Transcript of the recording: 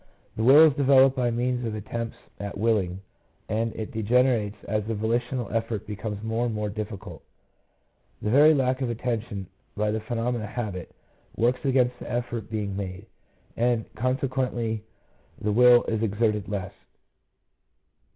The will is developed by means of attempts at willing, and it degenerates as the volitional effort becomes more and more difficult: the very lack of attention, by the phenomena of habit, works against the effort being made, and consequently the will is exerted less.